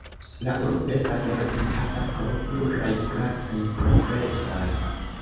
La arbo estas reputata pro pluraj kuracaj proprecoj.